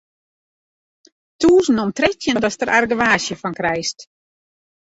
Tûzen om trettjin datst der argewaasje fan krijst.